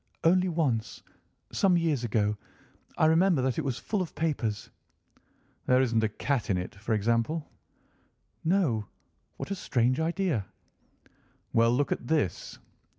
"Only once, some years ago. I remember that it was full of papers." "There isn't a cat in it, for example?" "No. What a strange idea!" "Well, look at this!"